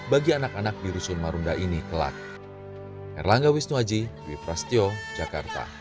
bagi anak anak di rusun marunda ini kelak